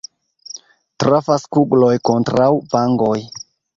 Trafas kugloj kontraŭ vangoj.